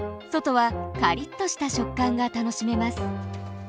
外はカリッとした食感が楽しめます。